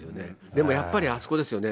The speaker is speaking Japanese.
でもやっぱり、あそこですよね。